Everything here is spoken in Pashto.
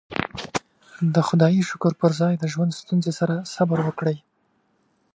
د خدايې شکر پر ځای د ژوند ستونزې سره صبر وکړئ.